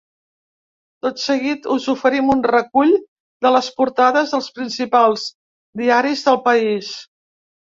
Tot seguit us oferim un recull de les portades dels principals diaris del país.